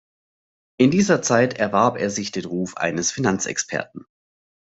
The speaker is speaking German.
In dieser Zeit erwarb er sich den Ruf eines Finanzexperten.